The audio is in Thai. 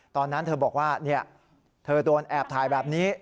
ตอนนั้นเธอบอกว่าเธอโดนแอบถ่ายแบบนี้